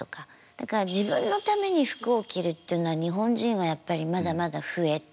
だから自分のために服を着るっていうのは日本人はやっぱりまだまだ不得手。